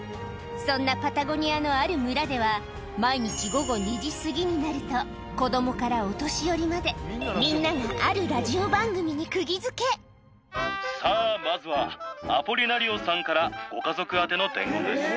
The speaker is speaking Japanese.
そんなパタゴニアのある村では、毎日午後２時過ぎになると、子どもからお年寄りまで、みんなさあ、まずはアポリナリオさんからご家族宛ての伝言です。